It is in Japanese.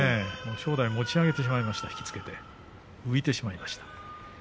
正代を持ち上げてしまいました浮いてしまいました。